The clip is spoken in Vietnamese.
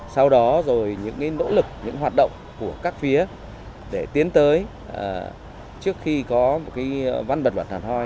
sau đó rồi những nỗ lực những hoạt động của các phía để tiến tới trước khi có một cái văn bật luật thẳng hoi